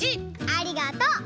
ありがとう！